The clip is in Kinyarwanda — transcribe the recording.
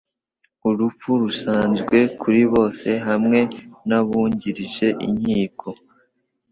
urupfu rusanzwe kuri bose hamwe n'abungirije inkiko